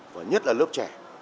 và nhất là lớp trẻ